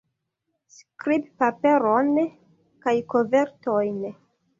Skribpaperon kaj kovertojn.